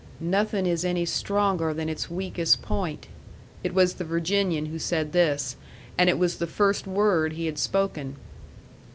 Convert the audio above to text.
"Nothing is any stronger than its weakest point." It was the Virginian who said this, and it was the first word he had spoken.